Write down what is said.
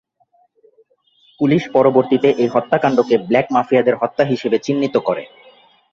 Police পরবর্তীতে এই হত্যাকাণ্ডকে ব্ল্যাক মাফিয়াদের হত্যা হিসেবে চিহ্নিত করে।